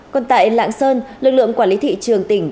còn tại lạng sơn lực lượng quản lý thị trường tỉnh